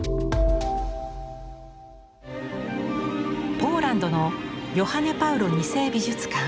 ポーランドのヨハネ・パウロ２世美術館。